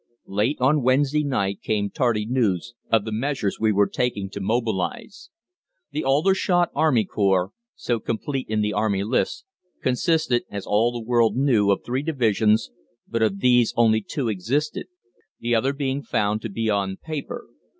Late on Wednesday night came tardy news of the measures we were taking to mobilise. The Aldershot Army Corps, so complete in the "Army List," consisted, as all the world knew, of three divisions, but of these only two existed, the other being found to be on paper.